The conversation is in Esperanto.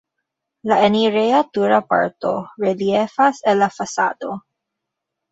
La enireja-tura parto reliefas el la fasado.